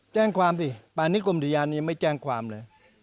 แจ้งความสิป่านนี้กรมอุทยานยังไม่แจ้งความเลย